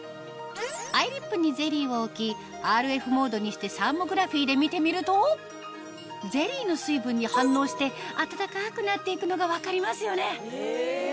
アイリップにゼリーを置きＲＦモードにしてサーモグラフィーで見てみるとゼリーの水分に反応して温かくなって行くのが分かりますよね